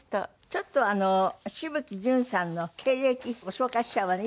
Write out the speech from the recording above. ちょっと紫吹淳さんの経歴ご紹介しちゃうわね。